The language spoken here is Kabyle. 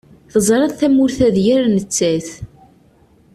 Teẓriḍ tamurt-a d yir nettat.